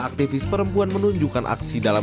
aktivis perempuan menunjukkan aksi dalam